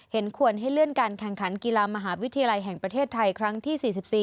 ควรให้เลื่อนการแข่งขันกีฬามหาวิทยาลัยแห่งประเทศไทยครั้งที่๔๔